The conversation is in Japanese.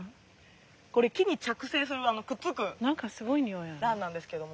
これ気に着生するくっつくランなんですけども。